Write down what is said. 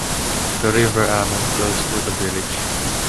The River Amman flows through the village.